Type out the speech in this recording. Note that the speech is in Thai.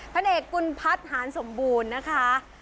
พระเอกกุลพัฒน์หารสมบูรณ์นะคะ